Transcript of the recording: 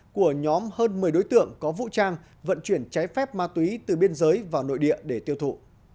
của nhóm hơn một mươi đối tượng có vũ trang vận chuyển trái phép ma túy từ biên giới vào nội địa để tiêu thụ